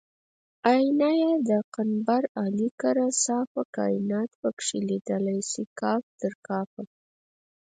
آیینه یې د قنبر علي کړه صافه کاینات پکې لیدی شي کاف تر کافه